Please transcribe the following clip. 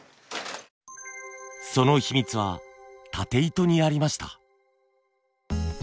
その秘密はたて糸にありました。